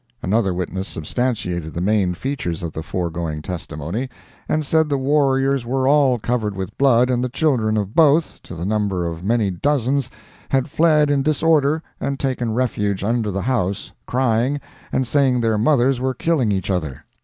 Another witness substantiated the main features of the foregoing testimony, and said the warriors were all covered with blood, and the children of both, to the number of many dozens, had fled in disorder and taken refuge under the house, crying, and saying their mothers were killing each other.